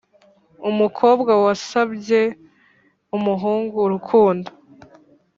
umukobwa wasabye umuhungu urukundo